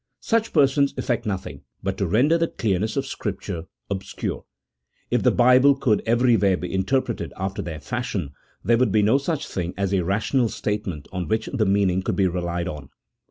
Such persons effect nothing but to render the clearness of Scripture obscure. If the Bible could every where be interpreted after their fashion, there would be no such thing as a rational statement of which the meaning could be relied on.